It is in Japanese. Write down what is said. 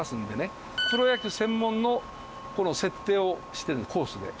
プロ野球専門のこの設定をしてるコースで。